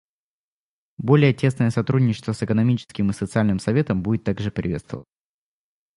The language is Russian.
Более тесное сотрудничество с Экономическим и Социальным Советом будет также приветствоваться.